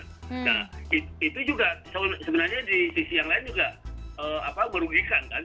nah itu juga sebenarnya di sisi yang lain juga merugikan kan